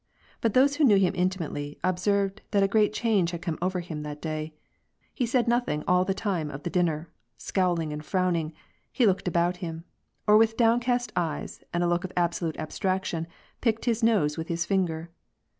But those who knew him intimately, observed that a great change had come over him that day. He said nothing all the time of the dinner ; scowling arid frowning, he looked about him ; or with downcast eyes and a look of absolute abstraction, picked his nose with his finger.